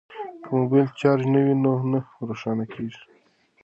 که موبایل چارج نه وي نو نه روښانه کیږي.